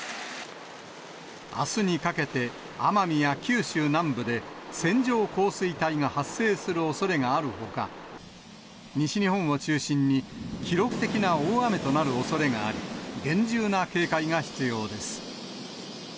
あすにかけて、奄美や九州南部で線状降水帯が発生するおそれがあるほか、西日本を中心に記録的な大雨となるおそれがあり、厳重な警戒が必要です。